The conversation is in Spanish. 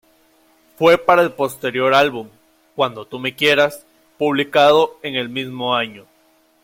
Fue para el posterior álbum, "Cuando tú me quieras", publicado en el mismo año.